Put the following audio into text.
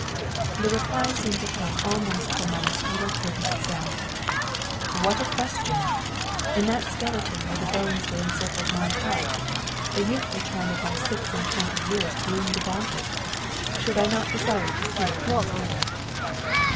The reply seemed to come almost from my mosquito curtain itself. 'What a question! In that skeleton were the bones that encircled my heart; the youthful charm of my six and twenty years bloomed about it. Should I not desire to see it once more?'